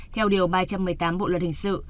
theo điều ba trăm một mươi tám bộ luật hình sự